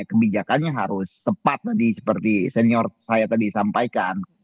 kebijakannya harus tepat tadi seperti senior saya tadi sampaikan